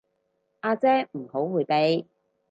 阿姐唔好迴避